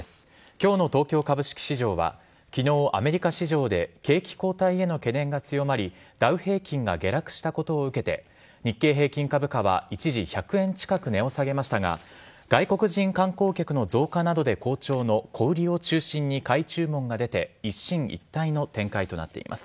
今日の東京株式市場は昨日、アメリカ市場で景気後退への懸念が強まりダウ平均が下落したことを受けて日経平均株価は一時１００円近く値を下げましたが外国人観光客の増加などで好調の小売りを中心に買い注文が出て一進一退の展開となっています。